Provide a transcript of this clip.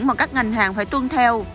mà các ngành hàng phải tuân theo